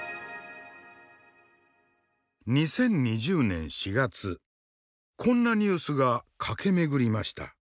２０２０年４月こんなニュースが駆け巡りました。